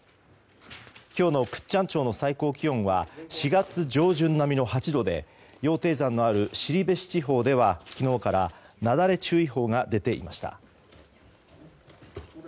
今日の倶知安町の最高気温は４月上旬並みの８度で羊蹄山のある後志地方では昨日からなだれ注意報が出ていました。